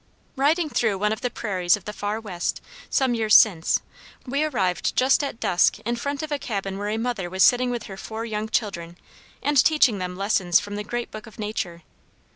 Riding through one of the prairies of the far West, some years since, we arrived just at dusk in front of a cabin where a mother was sitting with her four young children and teaching them lessons from the great book of nature.